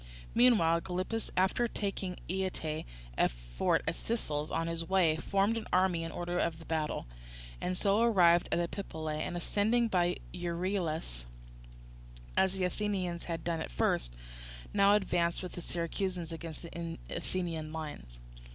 Meanwhile Gylippus, after taking Ietae, a fort of the Sicels, on his way, formed his army in order of battle, and so arrived at Epipolae, and ascending by Euryelus, as the Athenians had done at first, now advanced with the Syracusans against the Athenian lines.